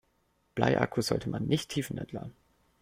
Bleiakkus sollte man nicht tiefentladen.